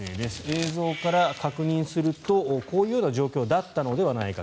映像から確認するとこういうような状況だったのではないか。